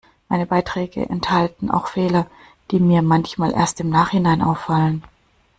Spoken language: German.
Meine Beiträge enthalten auch Fehler, die mir manchmal erst im Nachhinein auffallen.